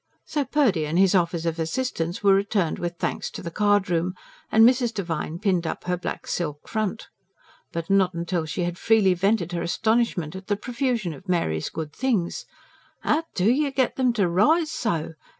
So Purdy and his offers of assistance were returned with thanks to the card room, and Mrs. Devine pinned up her black silk front. But not till she had freely vented her astonishment at the profusion of Mary's good things. "'Ow DO you git 'em to rise so?